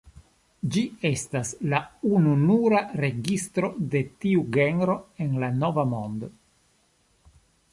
Ĝi estas la ununura registro de tiu genro en la Nova Mondo.